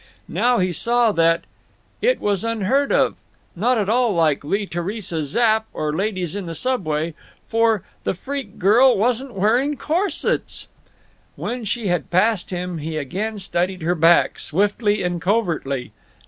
Now he saw that—It was unheard of; not at all like Lee Theresa Zapp or ladies in the Subway. For—the freak girl wasn't wearing corsets! When she had passed him he again studied her back, swiftly and covertly.